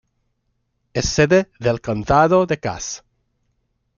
Es sede del condado de Cass.